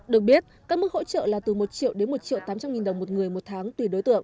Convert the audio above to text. được biết các mức hỗ trợ là từ một triệu đến một triệu tám trăm linh nghìn đồng một người một tháng tùy đối tượng